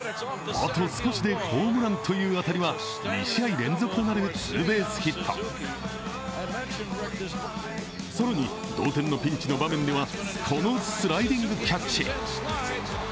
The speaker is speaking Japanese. カブスの鈴木誠也は４番・ライトでスタメン出場すると第１打席、あと少しでホームランという当たりは２試合連続となるツーベースヒット更に同点のピンチの場面ではこのスライディングキャッチ。